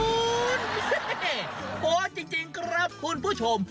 เฮ่เฮ่เพราะจริงครับคุณผู้ชม